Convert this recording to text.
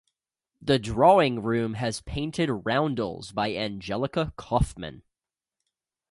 The drawing room has painted roundels by Angelica Kauffman.